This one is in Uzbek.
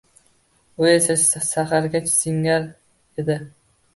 U esa sahargacha singar edi.